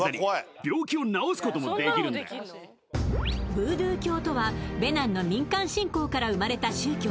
ブードゥー教とはベナンの民間信仰から生まれた宗教